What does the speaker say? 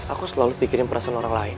aku selalu pikirin perasaan orang lain